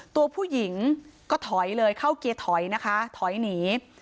ตัวผู้หญิงก็ถอยเลยเข้าเกียร์ถอยนะคะถอยหนี